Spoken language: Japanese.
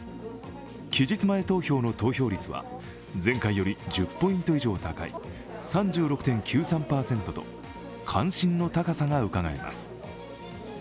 期日前投票の投票率は前回より１０ポイント以上高い３６．９３％と関心の高さがうかがえます。